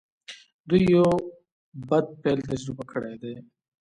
دوی يو بد پيل تجربه کړی دی.